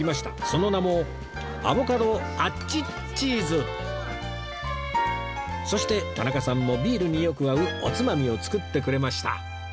その名もそして田中さんもビールによく合うおつまみを作ってくれました